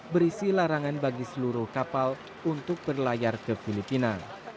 berisi larangan bagi seluruh kapal untuk berlayar ke filipina